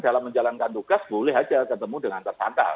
dalam menjalankan tugas boleh aja ketemu dengan tersangka